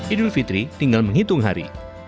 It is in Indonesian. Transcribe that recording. idul fitri tinggal menghitung hari